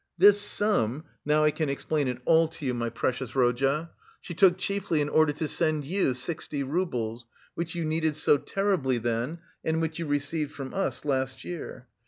This sum (now I can explain it all to you, my precious Rodya) she took chiefly in order to send you sixty roubles, which you needed so terribly then and which you received from us last year.